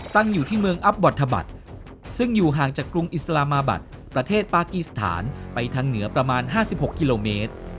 ตั้งอยู่ที่เมืองอัพบอธบัตรซึ่งอยู่ห่างจากกรุงอิสลามาบัตรประเทศปากีสถานไปทางเหนือประมาณ๕๖กิโลเมตร